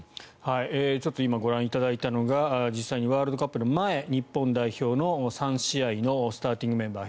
ちょっと今、ご覧いただいたのが実際にワールドカップの前日本代表の３試合のスターティングメンバー。